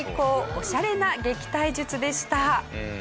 オシャレな撃退術でした。